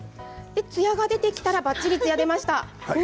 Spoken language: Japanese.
つやが出てきたらばっちりつやが出ました。